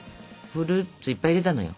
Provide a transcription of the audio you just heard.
フルーツいっぱい入れたのよ。